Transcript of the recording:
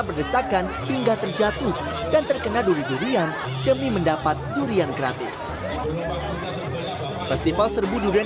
berdesakan hingga terjatuh dan terkena duri durian demi mendapat durian gratis festival serbu durian